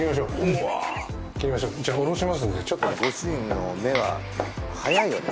切りましょうじゃあおろしますんでちょっとご主人の目ははやいよね